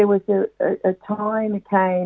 ada waktu yang datang